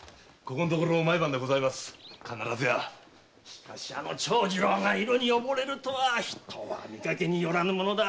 しかしあの長次郎が色におぼれるとは人は見かけによらぬものだ。